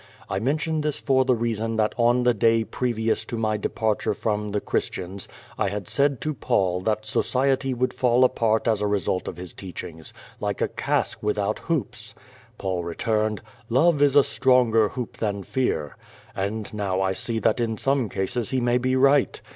I mention this for the reason that on the day previous to my departure from the Christians I had said to Paul that society would fall apart as a result of his teachings, like a cask without hoops. Paul returned: *'Love is a stronger hoop than fear/' And now I see that in some cases he may be right.